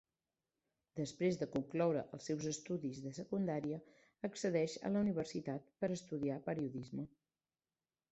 Després de concloure els seus estudis de secundària accedeix a la Universitat per estudiar Periodisme.